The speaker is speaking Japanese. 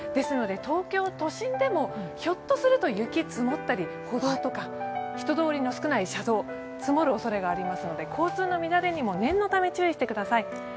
東京都心でもひょっとすると雪が積もったり、歩道とか人通りの少ない車道は積もるおそれがありますので交通の乱れにも念のため注意してください。